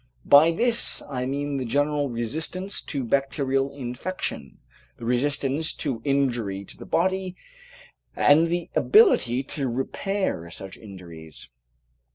By this I mean the general resistance to bacterial infection, the resistance to injury to the body, and the ability to repair such injuries.